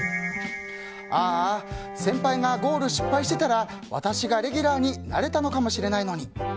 あーあ先輩がゴール失敗してたら私がレギュラーになれたのかもしれないのに。